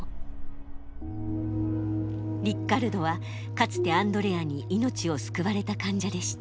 リッカルドはかつてアンドレアに命を救われた患者でした。